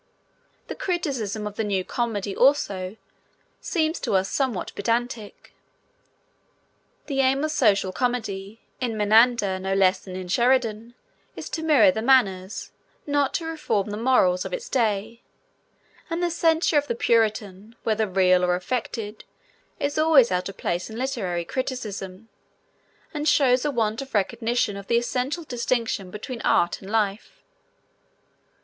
The criticism of the new comedy, also, seems to us somewhat pedantic. The aim of social comedy, in Menander no less than in Sheridan, is to mirror the manners, not to reform the morals, of its day, and the censure of the Puritan, whether real or affected, is always out of place in literary criticism, and shows a want of recognition of the essential distinction between art and life.